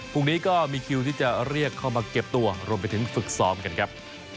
พรุ่งนี้ก็มีคิวที่จะเรียกเข้ามาเก็บตัวรวมไปถึงฝึกซ้อมกันครับ